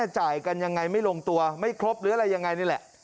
จ่ายกันยังไงไม่ลงตัวไม่ครบหรืออะไรยังไงนี่แหละ